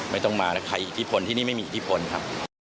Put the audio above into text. ไม่ต้องมาแล้วใครอิทธิพลที่นี่ไม่มีอิทธิพลครับ